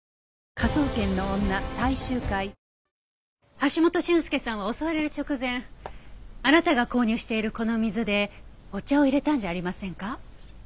橋本俊介さんは襲われる直前あなたが購入しているこの水でお茶を淹れたんじゃありませんか？